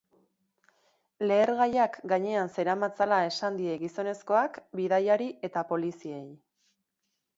Lehergailuak gainean zeramatzala esan die gizonezkoak bidaiari eta poliziei.